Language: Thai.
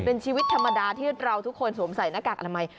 เป็นชีวิตธรรมดาที่เราทุกคนสงสัยหน้ากากอันไม้